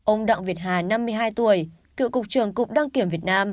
ông đặng việt hà năm mươi hai tuổi cựu cục trưởng cục đăng kiểm việt nam